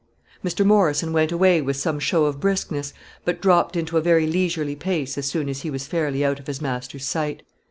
Mr. Morrison went away with some show of briskness, but dropped into a very leisurely pace as soon as he was fairly out of his master's sight.